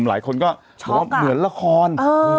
หลายคนก็บอกว่าเหมือนละคร